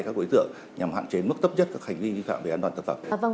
các đối tượng nhằm hạn chế mức tấp nhất các hành vi vi phạm về an toàn thực phẩm